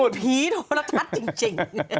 คุณไม่เป็นผีโทรทัศน์จริง